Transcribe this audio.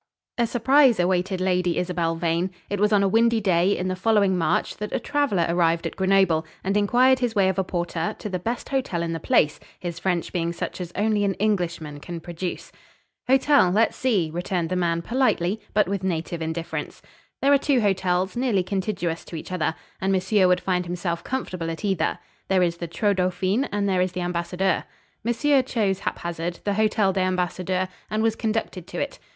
A surprise awaited Lady Isabel Vane. It was on a windy day in the following March that a traveller arrived at Grenoble, and inquired his way of a porter, to the best hotel in the place, his French being such as only an Englishman can produce. "Hotel? Let's see," returned the man, politely, but with native indifference. "There are two hotels, nearly contiguous to each other, and monsieur would find himself comfortable at either. There is the Tross Dauphins, and there is the Ambassadeurs." "Monsieur" chose haphazard, the Hotel des Ambassadeurs, and was conducted to it.